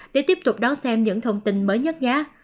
để tiếp tục đón xem những thông tin mới nhất giá